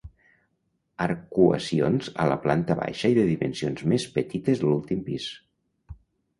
Arcuacions a la planta baixa i de dimensions més petites a l'últim pis.